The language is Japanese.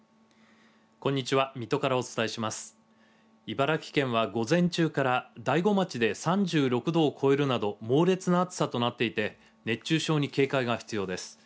茨城県は午前中から大子町で３６度を超えるなど猛烈な暑さとなっていて熱中症に警戒が必要です。